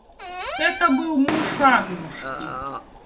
Это был муж Аннушки.